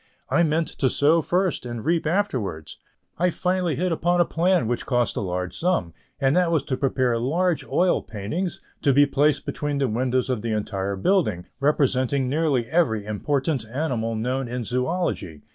I meant to sow first and reap afterwards. I finally hit upon a plan which cost a large sum, and that was to prepare large oval oil paintings to be placed between the windows of the entire building, representing nearly every important animal known in zoology.